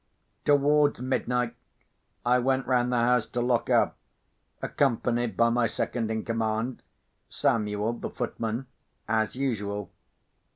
Towards midnight, I went round the house to lock up, accompanied by my second in command (Samuel, the footman), as usual.